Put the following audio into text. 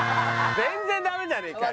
全然ダメじゃねえかよ。